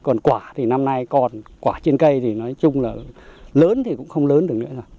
còn quả thì năm nay còn quả trên cây thì nói chung là lớn thì cũng không lớn được nữa rồi